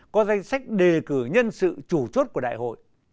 có danh sách đề cử nhân sự chủ chốt của đại hội